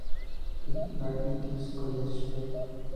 Ignatius College Prep.